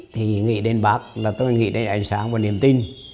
thì nghĩ đến bác là tôi nghĩ đây ánh sáng và niềm tin